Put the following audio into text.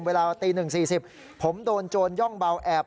เวลาตี๑๔๐ผมโดนโจรย่องเบาแอบ